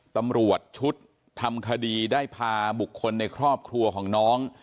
ตำรวจชุดทำคดีได้พาบุคคลในครอบครัวของน้อง